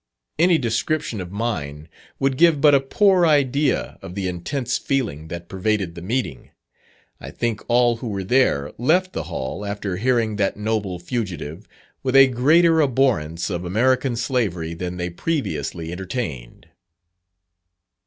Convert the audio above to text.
Any description of mine would give but a poor idea of the intense feeling that pervaded the meeting. I think all who were there, left the hall after hearing that noble fugitive, with a greater abhorrence of American slavery than they previously entertained.